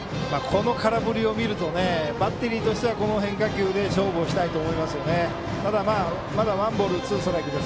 空振りを見るとバッテリーとしては変化球で勝負をしたいと思いますよね。